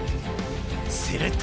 すると。